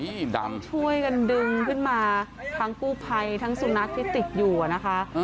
นี่ดำช่วยกันดึงขึ้นมาทั้งกู้ภัยทั้งสุนัขที่ติดอยู่อ่ะนะคะ